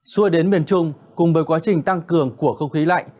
xua đến miền trung cùng với quá trình tăng cường của không khí lạnh